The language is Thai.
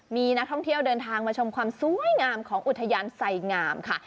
มีนักท่องเที่ยวเดินทางมาชมความสวยงามของอุทยานไสงามค่ะ